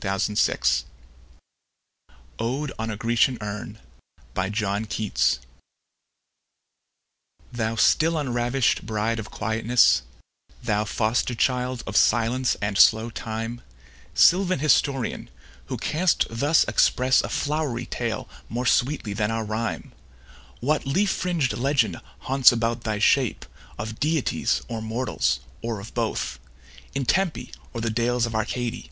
John Keats Ode on a Grecian Urn THOU still unravish'd bride of quietness, Thou foster child of silence and slow time, Sylvan historian, who canst thus express A flowery tale more sweetly than our rhyme: What leaf fring'd legend haunts about thy shape Of deities or mortals, or of both, In Tempe or the dales of Arcady?